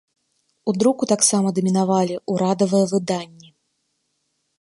У друку таксама дамінавалі ўрадавыя выданні.